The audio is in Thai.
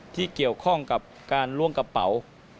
ที่เกี่ยวข้องกับการล่วงกระเป๋า